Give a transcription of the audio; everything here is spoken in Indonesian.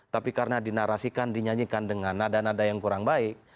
tapi karena dinarasikan dinyanyikan dengan nada nada yang kurang baik